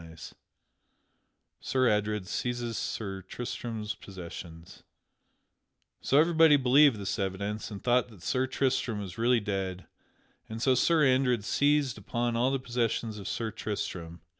[Sidenote: Sir Adred seizes Sir Tristram's possessions] So everybody believed this evidence, and thought that Sir Tristram was really dead, and so Sir Andred seized upon all the possessions of Sir Tristram.